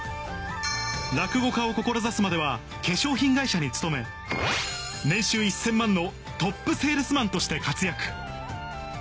落語家を志すまでは化粧品会社に勤めのトップセールスマンとして活躍